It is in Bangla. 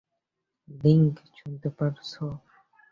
লিংকন, শুনতে পাচ্ছ?